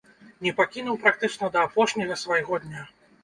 Не пакінуў практычна да апошняга свайго дня.